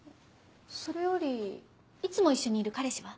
それよりいつも一緒にいる彼氏は？